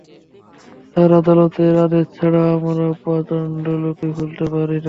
Sir, আদালতের আদেশ ছাড়া, আমরা পাণ্ডুলিপি খুলতে পারি না।